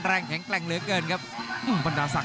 รับทราบบรรดาศักดิ์